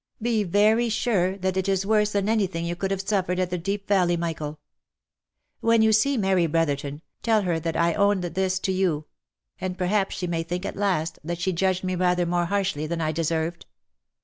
Be very sure that it is worse than any thing you could have suffered at the Deep Valley, Michael ! When you see Mary Brotherton, tell her that I owned this to you — and perhaps she may think, at last, that she judged me rather more harshly than I deserved."